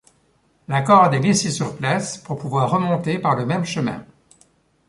La corde est laissée sur place pour pouvoir remonter par le même chemin.